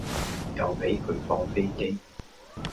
又俾佢放飛機